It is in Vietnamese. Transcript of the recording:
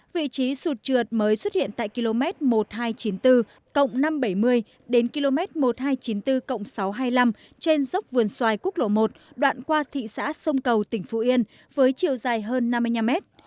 vị trí sụt trượt mới xuất hiện tại km một nghìn hai trăm chín mươi bốn năm trăm bảy mươi đến km một nghìn hai trăm chín mươi bốn sáu trăm hai mươi năm trên dốc vườn xoài quốc lộ một đoạn qua thị xã sông cầu tỉnh phú yên với chiều dài hơn năm mươi năm mét